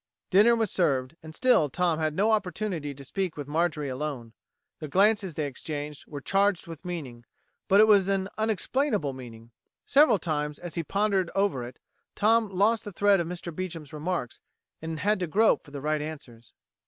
Dinner was served, and still Tom had no opportunity to speak with Marjorie alone. The glances they exchanged were charged with meaning but it was an unexplainable meaning. Several times as he pondered over it, Tom lost the thread of Mr. Beecham's remarks, and had to grope for the right answers.